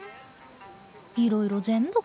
いろいろ全部か。